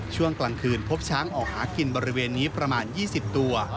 ช่วงกลางคืนพบช้างออกหากินบริเวณนี้ประมาณ๒๐ตัว